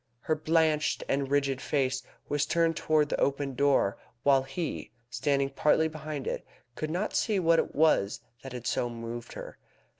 Her blanched and rigid face was turned towards the open door, while he, standing partly behind it, could not see what it was that had so moved her.